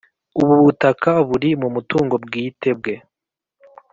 Ubu butaka buri mu mutungo bwite bwe